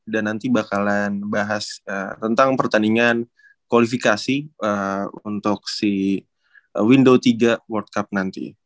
dan nanti bakalan bahas tentang pertandingan kualifikasi untuk si window tiga world cup nanti